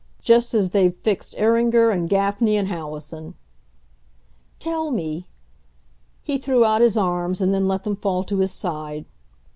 Just as they've fixed Iringer and Gaffney and Howison." "Tell me." He threw out his arms and then let them fall to his side.